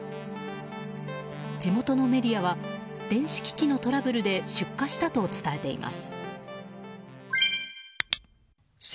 地元のメディアは電子機器のトラブルで出火したと伝えています。